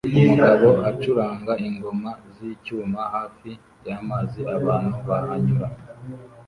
Umugabo acuranga ingoma z'icyuma hafi y'amazi abantu bahanyura